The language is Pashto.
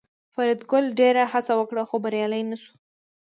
فریدګل ډېره هڅه وکړه خو بریالی نشو